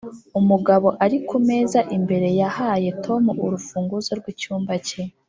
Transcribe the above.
umugabo uri kumeza imbere yahaye tom urufunguzo rwicyumba cye.